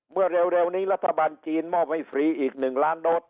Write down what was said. เมื่อเร็วนี้รัฐบาลจีนมอบให้ฟรีอีก๑ล้านโดส